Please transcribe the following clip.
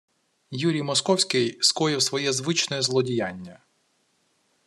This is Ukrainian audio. Юрій Московський скоїв своє звичне злодіяння